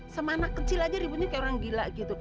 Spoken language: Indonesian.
sama anak kecil aja ributnya kayak orang gila gitu